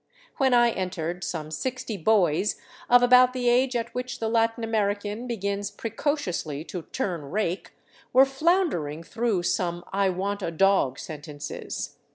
When I entered some sixty boys, of about the age at which the Latin American begins precociously to turn rake, were floundering through some " I want a dog" sentences.